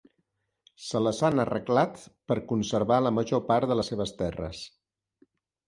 Se les han arreglat per conservar la major part de les seves terres.